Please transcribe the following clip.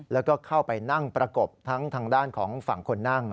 แล้วก็เข้าไปนั่งประกบทั้งทางด้านของฝั่งคนนั่ง